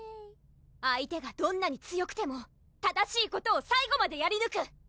相手がどんなに強くても正しいことを最後までやりぬく